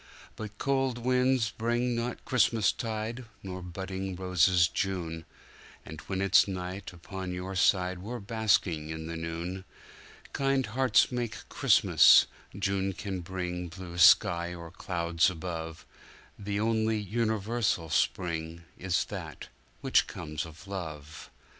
But cold winds bring not Christmastide, nor budding roses June, And when it's night upon your side we're basking in the noon. Kind hearts make Christmas—June can bring blue sky or clouds above; The only universal spring is that which comes of love.